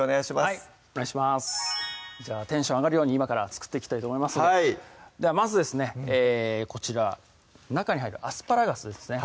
はいお願いしますじゃあテンション上がるように今から作っていきたいと思いますのでではまずですねこちら中に入るアスパラガスですね